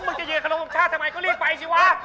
มึงจะยืนเขาถึงบองชาติทำไมก็รีบไปซิว่า